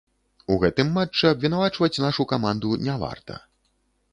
У гэтым матчы абвінавачваць нашу каманду не варта.